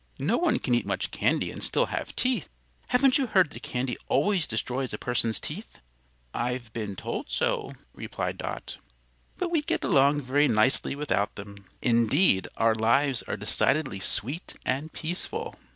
No one can eat much candy and still have teeth. Haven't you heard that candy always destroys a person's teeth?" "I've been told so," replied Dot. "But we get along very nicely without them. Indeed, our lives are decidedly sweet and peaceful."